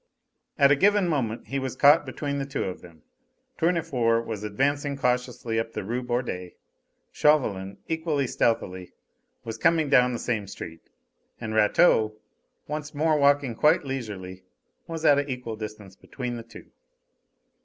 At a given moment he was caught between the two of them. Tournefort was advancing cautiously up the Rue Bordet; Chauvelin, equally stealthily, was coming down the same street, and Rateau, once more walking quite leisurely, was at equal distance between the two.